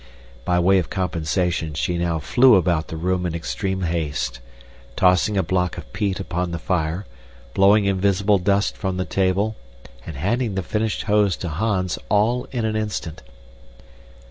By way of compensation she now flew about the room in extreme haste. Tossing a block of peat upon the fire, blowing invisible fire from the table, and handing the finished hose to Hans, all in an instant...